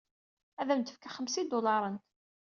Ad am-d-fkeɣ xemsa idularen.